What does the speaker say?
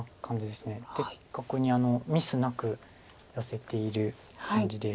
で的確にミスなくヨセている感じで。